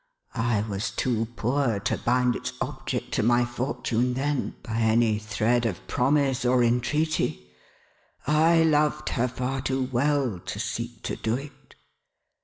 I was too poor to bind its object to my fortune then, by any thread of promise or entreaty. I loved her far too well, to seek to do it.